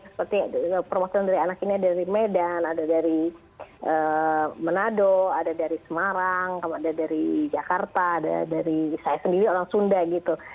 seperti perwakilan dari anak ini ada dari medan ada dari manado ada dari semarang ada dari jakarta ada dari saya sendiri orang sunda gitu